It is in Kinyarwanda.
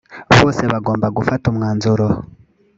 bose bagomba gufata umwanzuro